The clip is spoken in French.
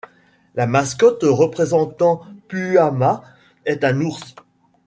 La mascotte représentant Puuhamaa est un ours.